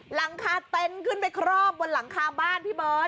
หลังคาเต็นต์ขึ้นไปครอบบนหลังคาบ้านพี่เบิร์ต